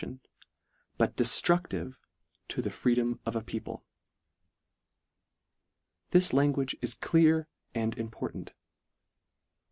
tion," but deftruclive " to the freedom " of a people." This language is clear and important.